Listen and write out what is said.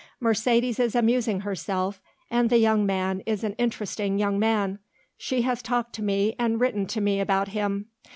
Mercedes is amusing herself and the young man is an interesting young man; she has talked to me and written to me about him.